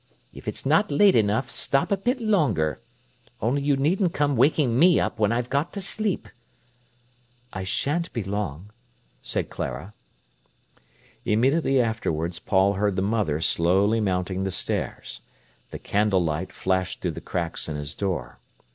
If it's not late enough, stop a bit longer. Only you needn't come waking me up when I've got to sleep." "I shan't be long," said Clara. Immediately afterwards Paul heard the mother slowly mounting the stairs. The candlelight flashed through the cracks in his door.